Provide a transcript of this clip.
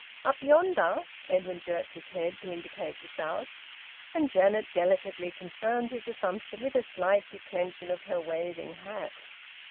"Up yonder?" Edwin jerked his head to indicate the south. And Janet delicately confirmed his assumption with a slight declension of her waving hat.